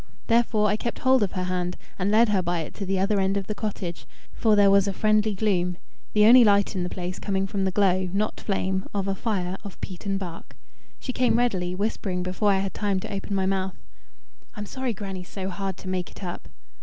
Therefore I kept hold of her hand and led her by it to the other end of the cottage, for there was a friendly gloom, the only light in the place coming from the glow not flame of a fire of peat and bark. She came readily, whispering before I had time to open my mouth I'm sorry grannie's so hard to make it up."